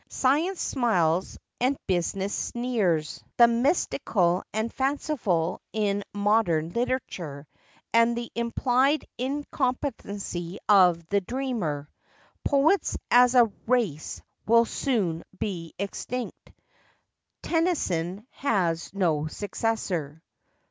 Science smiles, and business sneers, at 4 PREFATORY. the mystical and fanciful in modern literature, and the implied incompetency of the "dreamer." Poets, as a race, will soon be extinct. Tennyson has no successor.